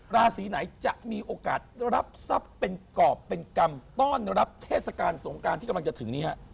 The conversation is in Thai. ราศีไหนจะมีโอกาสรับทรัพย์เป็นกรอบเป็นกรรมต้อนรับเทศกาลสงการที่กำลังจะถึงนี้ฮะ